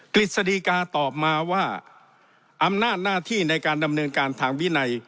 กฤษฎีกาตอบมาว่าอำนาจหน้าที่ในการดำเนินการทางวินัย